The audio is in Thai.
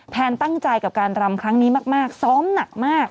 แนนตั้งใจกับการรำครั้งนี้มากซ้อมหนักมาก